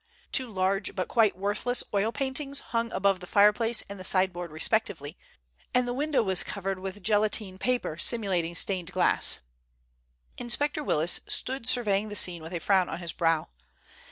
Two large but quite worthless oil paintings hung above the fireplace and the sideboard respectively, and the window was covered with gelatine paper simulating stained glass. Inspector Willis stood surveying the scene with a frown on his brow.